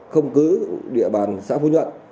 không cứ địa bàn xã phú nhuận